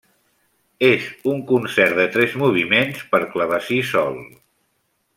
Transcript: És un concert de tres moviments per clavecí sol.